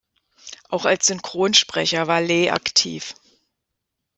Auch als Synchronsprecher war Leigh aktiv.